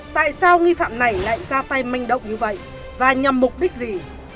tại sao nghi phạm này lại ra tay manh động như vậy và nhằm mục đích gì